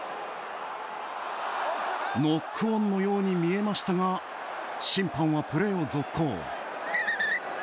ノックオンのように見えましたが審判はプレーを続行。